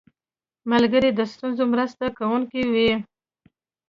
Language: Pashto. ملګری د ستونزو مرسته کوونکی وي